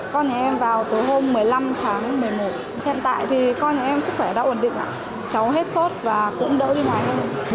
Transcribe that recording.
con nhà em vào từ hôm một mươi năm tháng một mươi một hiện tại thì con nhà em sức khỏe đã ổn định ạ cháu hết sốt và cũng đỡ đi ngoài hơn